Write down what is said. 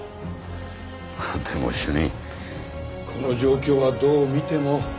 でも主任この状況はどう見ても他殺ですよ。